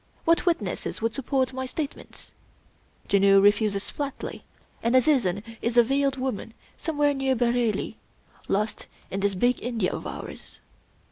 What witnesses would support my statements? Janoo refuses flatly, and Azizun is a veiled woman somewhere near Bareilly — lost in this big India of ours.